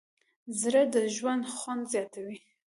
زړه د ژوند خوند زیاتوي.